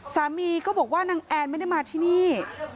สามีก็บอกว่านางแอนไม่ได้มาที่นี่